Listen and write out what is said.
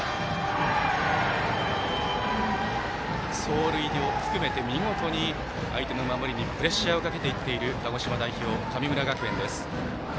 走塁を含めて見事に相手の守りにプレッシャーをかけていっている鹿児島代表、神村学園です。